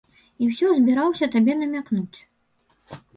Я ўсё збіраўся табе намякнуць.